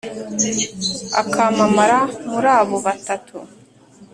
akamamara muri abo batatu